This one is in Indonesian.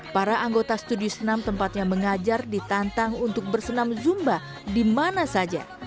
para anggota studi senam tempatnya mengajar ditantang untuk bersenam zumba di mana saja